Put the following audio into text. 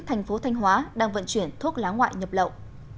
tp thanh hóa đang vận chuyển thuốc lá ngoại nhập lậu